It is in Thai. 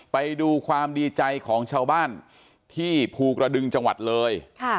ไปดูความดีใจของชาวบ้านที่ภูกระดึงจังหวัดเลย